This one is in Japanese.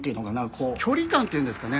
距離感っていうんですかね？